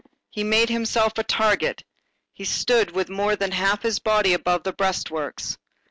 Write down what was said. He made himself a target. He stood with more than half his body above the breastworks.